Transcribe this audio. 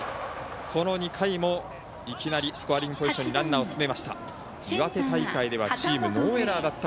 この２回も、いきなりスコアリングポジションにランナーを進めました。